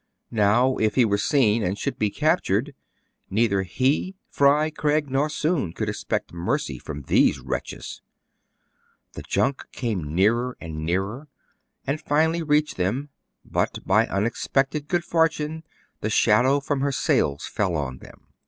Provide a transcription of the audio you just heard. Now, if he were seen, and should be captured, neither he. Fry, Craig, nor Soun could expect mercy from these wretches. The junk came nearer and nearer, and finally 2 28 TRIBULATIONS OF A CHINAMAN. reached them ; but, by unexpected good fortune, the shadow from her sails fell on them.